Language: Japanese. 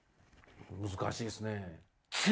難しいですね。